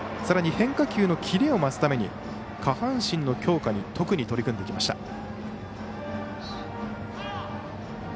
さらに変化球のキレを増すために下半身の強化に特に取り組んできました。